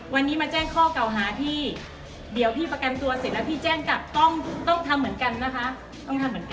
วันนี้มาแจ้งข้อเก่าหาพี่เดี๋ยวพี่ประกันตัวเสร็จแล้วพี่แจ้งกลับต้องทำเหมือนกันนะคะต้องทำเหมือนกัน